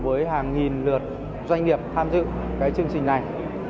với hàng nghìn lượt doanh nghiệp tham dự cái chương trình này